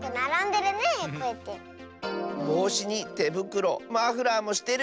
ぼうしにてぶくろマフラーもしてる！